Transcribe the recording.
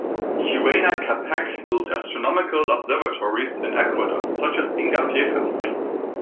Huayna Capac built astronomical observatories in Ecuador such as Ingapirca.